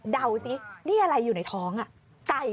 ดาวซินี่อะไรอยู่ในท้องอ่ะไก่